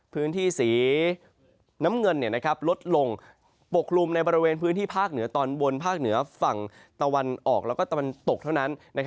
พื้นที่สีน้ำเงินลดลงปกคลุมในบริเวณพื้นที่ภาคเหนือตอนบนภาคเหนือฝั่งตะวันออกแล้วก็ตะวันตกเท่านั้น